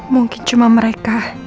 mungkin cuma mereka